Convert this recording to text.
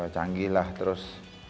canggih lah terus